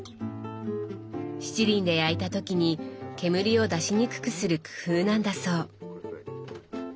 七輪で焼いた時に煙を出しにくくする工夫なんだそう。